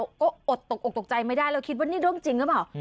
คนเห็นแล้วก็อดตกออกตกใจไม่ได้เราคิดว่านี่เรื่องจริงหรือเปล่า